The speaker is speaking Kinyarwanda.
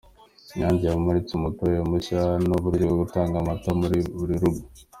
Inyange yamuritse Umutobe mushya n’uburyo bwo gutanga amata muri buri rugo